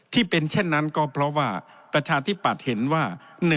ที่เป็นเช่นนั้นก็เพราะว่าประชาธิปัตย์เห็นว่า